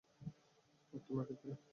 আর তোমার ক্ষেত্রে?